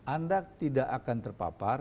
anda tidak akan terpapar